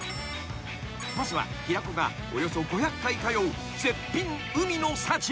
［まずは平子がおよそ５００回通う絶品海の幸］